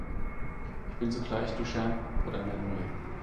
Ich bin zugleich Duchamp oder Man Ray.